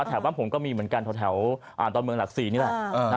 แถวบ้านผมก็มีเหมือนกันแถวดอนเมืองหลัก๔นี่แหละ